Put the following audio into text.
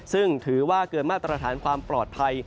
ซึ่งถือว่าเกินมาตรฐานความปลอดภัย